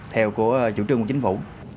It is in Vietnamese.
theo của chủ trương của chính phủ